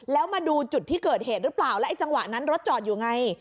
แล้วมาดูจุดที่เกิดเหตุหรือเปล่าแล้วไอจังหวะนั้นรถจอดอยู่ไง